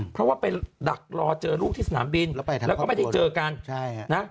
เพราะว่าไปดักรอเจอลูกที่สนามบินแล้วก็ไม่ได้เจอกัน